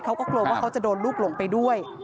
เขาก็กลัวว่าเขาจะโดนลูกหลงไปด้วย